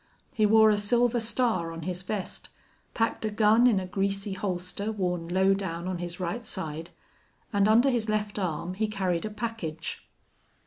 He wore a silver star on his vest, packed a gun in a greasy holster worn low down on his right side, and under his left arm he carried a package.